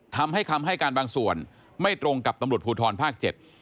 ทำให้คำให้การบางส่วนไม่ตรงกับตำรวจภูทรภาค๗